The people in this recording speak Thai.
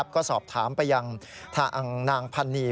ก็สอบถามไปยังทางนางพันนี